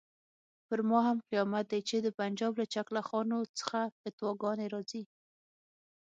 پر ما هم قیامت دی چې د پنجاب له چکله خانو څخه فتواګانې راځي.